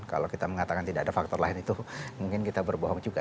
kalau kita mengatakan tidak ada faktor lain itu mungkin kita berbohong juga